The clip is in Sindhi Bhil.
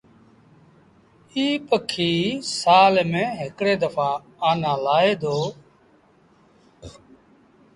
ايٚ پکي سآل ميݩ هڪڙي دڦآ آنآ لآهي دو۔